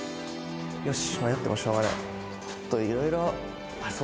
よし。